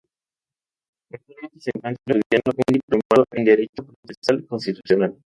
Actualmente se encuentra estudiando un diplomado en Derecho Procesal Constitucional.